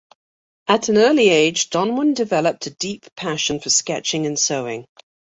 At an early age, Donwan developed a deep passion for sketching and sewing.